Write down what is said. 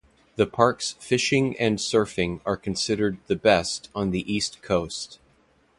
The park's fishing and surfing are considered the best on the East Coast.